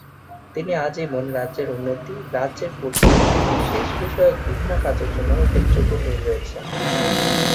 তিনি আজীবন রাজ্যের উন্নতি রাজ্যের পূর্ত এবং শেষ বিষয়ক বিভিন্ন কাজের জন্য উল্লেখযোগ্য হয়ে রয়েছেন।